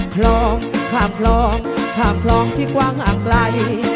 คลองข้ามคลองข้ามคลองที่กว้างห่างไกล